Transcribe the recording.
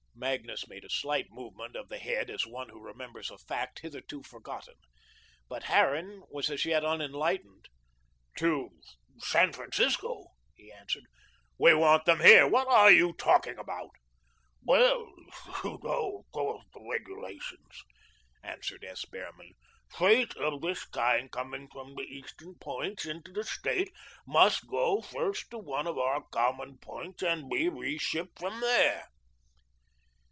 Magnus made a slight movement of the head as one who remembers a fact hitherto forgotten. But Harran was as yet unenlightened. "To San Francisco!" he answered, "we want them here what are you talking about?" "Well, you know, of course, the regulations," answered S. Behrman. "Freight of this kind coming from the Eastern points into the State must go first to one of our common points and be reshipped from there."